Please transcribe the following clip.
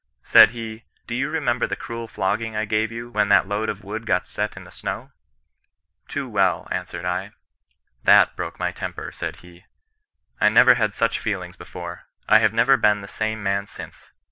Said he —* Do you remember the cruel flogging I gave you when that load of wood got set in the snow V Too well, answered I. * That broke my temper,' said he. * I never had such feelings before. I have never been the same man since.